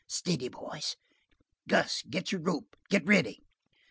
"Steady, boys. Gus, get your rope, get ready!"